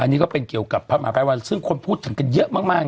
อันนี้ก็เป็นเกี่ยวกับพระมหาภัยวันซึ่งคนพูดถึงกันเยอะมาก